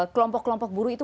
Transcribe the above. kelompok kelompok buruh itu